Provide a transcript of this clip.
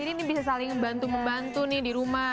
jadi ini bisa saling membantu membantu nih di rumah